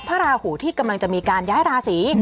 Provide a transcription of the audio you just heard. ราหูที่กำลังจะมีการย้ายราศี